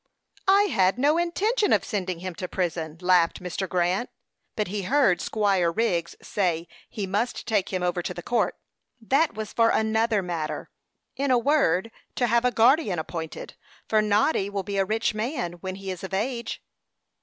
"I had no intention of sending him to prison," laughed Mr. Grant. "But he heard Squire Wriggs say he must take him over to the court." "That was for another matter in a word, to have a guardian appointed, for Noddy will be a rich man when he is of age."